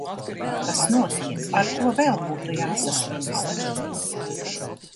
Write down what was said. Kas notiek, ar ko vēl būtu jāsaslimst?...